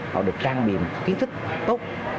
họ được trang bìm kiến thức tốt